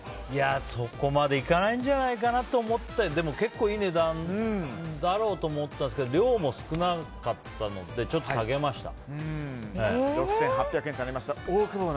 そこまでいかないんじゃないかなと思ってでも、結構いい値段だろうと思ったので量も少なかったのでちょっと下げました。